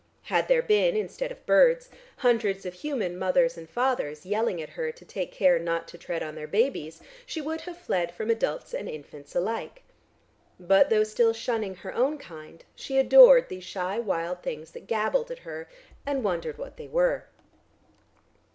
Had there been, instead of birds, hundreds of human mothers and fathers yelling at her to take care not to tread on their babies, she would have fled from adults and infants alike. But, though still shunning her own kind, she adored these shy wild things that gabbled at her, and wondered what they were.